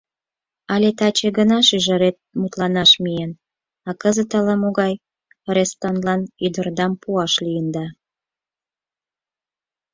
Але таче гына шӱжарет мутланаш миен, а кызыт ала-могай рестанлан ӱдырдам пуаш лийында.